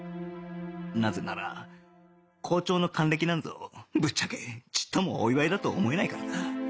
なぜなら校長の還暦なんぞぶっちゃけちっともお祝いだと思えないからだ